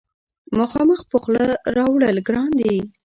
مخامخ په خوله راوړل ګران دي.